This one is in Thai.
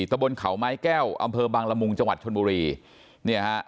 ตะบนเขาไม้แก้วอำเภอบังละมุงจังหวัดชนบุรีเนี่ยฮะ